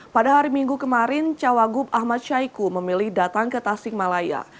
pada hari minggu kemarin cawagup ahmad syaiqo memilih datang ke tasikmalaya